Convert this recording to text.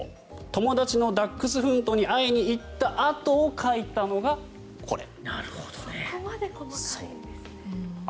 友達のダックスフントに会いに行ったあとに描いたのがこれ。